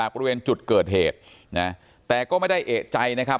บริเวณจุดเกิดเหตุนะแต่ก็ไม่ได้เอกใจนะครับ